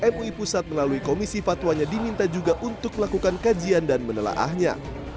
mui pusat melalui komisi fatwanya diminta juga untuk melakukan kajian dan menelaahnya